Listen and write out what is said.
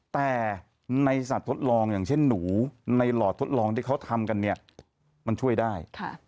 แต่ในสัตว์ทดลองอย่างเช่นหนูในหลอดทดลองที่เขาทำกันเนี่ยมันช่วยได้